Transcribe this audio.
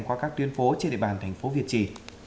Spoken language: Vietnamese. qua các tuyến phố trên địa bàn thành phố việt trì